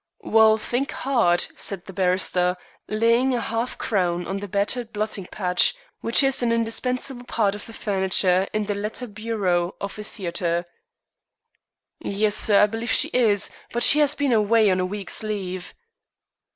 "Well, think hard," said the barrister, laying a half crown on the battered blotting pad which is an indispensable part of the furniture in the letter bureau of a theatre. "Yes, sir, I believe she is, but she has been away on a week's leave."